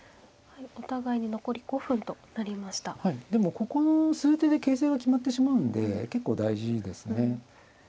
でもここの数手で形勢は決まってしまうんで結構大事ですね。